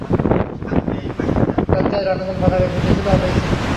তৎকালে রণাঙ্গনে পতাকার গুরুত্ব ছিল অপরিসীম।